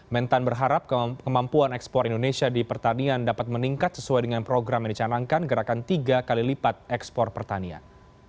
mentan berharap kemampuan ekspor indonesia di pertanian dapat meningkat sesuai dengan program yang dicanangkan gerakan tiga kali lipat ekspor pertanian